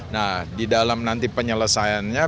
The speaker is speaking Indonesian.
nah di dalam nanti penyelesaiannya